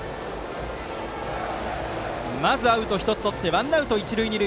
まずアウト１つとってワンアウト、一塁二塁。